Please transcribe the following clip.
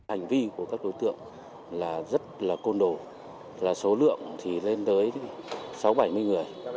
hành vi của các đối tượng là rất là côn đồ là số lượng thì lên tới sáu bảy mươi người